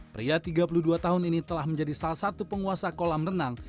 pria tiga puluh dua tahun ini telah menjadi salah satu penguasa kolam renang